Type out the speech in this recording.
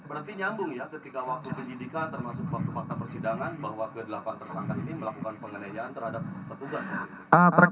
berarti nyambung ya ketika waktu penyidikan termasuk waktu fakta persidangan bahwa ke delapan tersangka ini melakukan penganiayaan terhadap petugas